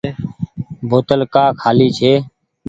بوتل ڪآ کآلي ڇي۔